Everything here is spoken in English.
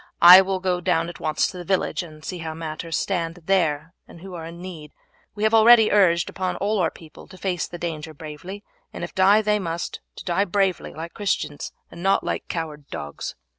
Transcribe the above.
I will go down at once to the village and see how matters stand there and who are in need. We have already urged upon all our people to face the danger bravely, and if die they must, to die bravely like Christians, and not like coward dogs.